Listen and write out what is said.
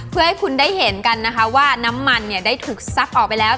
เพื่อให้คุณได้เห็นกันนะคะว่าน้ำมันเนี่ยได้ถูกซักออกไปแล้ว